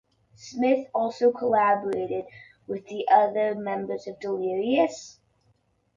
Smith also collaborated with the other members of Delirious?